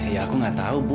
ya aku gak tau bu